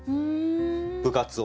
部活を。